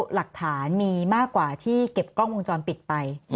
หลักฐานมีมากกว่าที่เก็บกล้องวงจรปิดไป